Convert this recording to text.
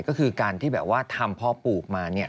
ก็คือการที่แบบว่าทำพ่อปลูกมาเนี่ย